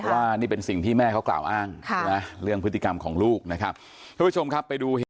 ว่านี่เป็นสิ่งที่แม่เขากล่าวอ้างเรื่องพฤติกรรมของลูกนะครับ